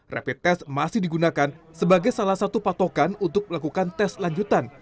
rapid test masih digunakan sebagai salah satu patokan untuk melakukan tes lanjutan